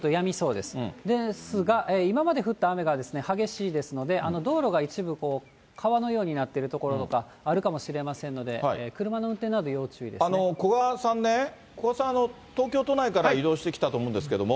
ですが、今まで降った雨が激しいですので、道路が一部、川のようになってる所とかあるかもしれませんので、こがさんね、こがさん、東京都内から移動してきたと思うんですけれども、